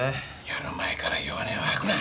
やる前から弱音を吐くな！